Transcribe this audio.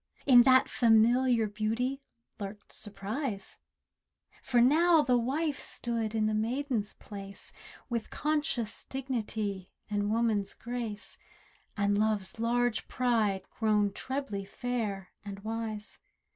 In that familiar beauty lurked surprise: For now the wife stood in the maiden's place— With conscious dignity, and woman's grace, And love's large pride grown trebly fair and wise.